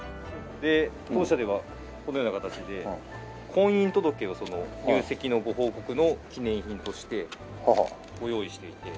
で当社ではこのような形で婚姻届を入籍のご報告の記念品としてご用意していて。